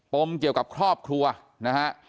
มเกี่ยวกับครอบครัวนะฮะ